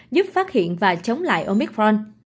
giúp phát hiện và chống lại omicron